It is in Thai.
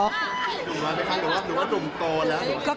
หนุ่มน้อยไปครั้งหนึ่งหนุ่มโตแล้ว